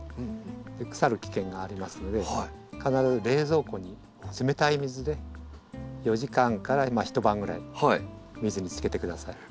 腐る危険がありますので必ず冷蔵庫に冷たい水で４時間から一晩ぐらい水につけてください。